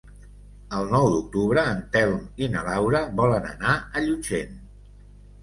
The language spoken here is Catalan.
El nou d'octubre en Telm i na Laura volen anar a Llutxent.